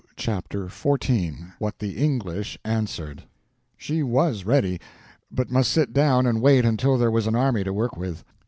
Chapter 14 What the English Answered SHE WAS ready, but must sit down and wait until there was an army to work with.